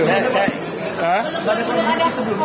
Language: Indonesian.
enggak itu maksudnya